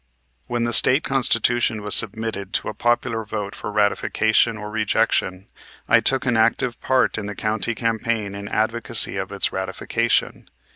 When the State Constitution was submitted to a popular vote for ratification or rejection I took an active part in the county campaign in advocacy of its ratification.